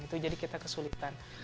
itu jadi kita kesulitan